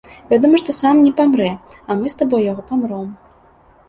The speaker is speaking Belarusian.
Вядома, што сам не памрэ, а мы з табой яго памром.